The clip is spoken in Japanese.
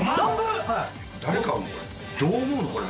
どう思うの？